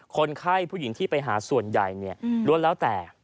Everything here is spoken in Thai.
คนไข้ผู้หญิงที่ไปหาส่วนใหญ่ล้วนแล้วแต่